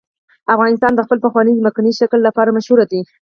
افغانستان د خپل پخواني ځمکني شکل لپاره مشهور دی.